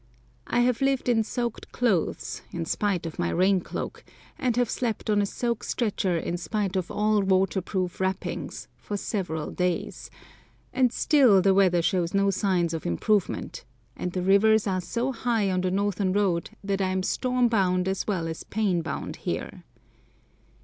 I have lived in soaked clothes, in spite of my rain cloak, and have slept on a soaked stretcher in spite of all waterproof wrappings for several days, and still the weather shows no signs of improvement, and the rivers are so high on the northern road that I am storm bound as well as pain bound here.